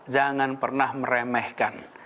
jangan pernah meremehkan